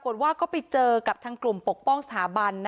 ก็จะเป็นเรื่องขยะของอยุธยาก็ดี